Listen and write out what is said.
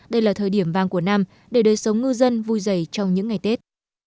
đây là thời điểm vang của năm để đời sống ngư dân vui dày trong những ngày tết